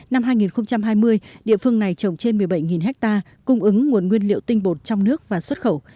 năm hai nghìn hai mươi địa phương này trồng trên một mươi bảy ha cung ứng nguồn nguyên liệu tinh bột trong nước và xuất khẩu